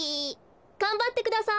がんばってください！